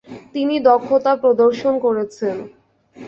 তিনি দক্ষতা প্রদর্শন করেছেন।